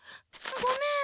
ごめん。